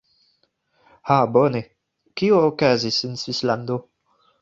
Ha bone. Kio okazis en Svislando?